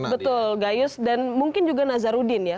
betul gayus dan mungkin juga nazarudin ya